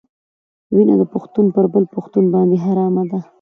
وینه د پښتون پر بل پښتون باندې حرامه ده.